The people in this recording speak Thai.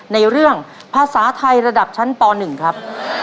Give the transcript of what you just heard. ในเรื่องภาษาไทยระดับชั้นป๑ครับ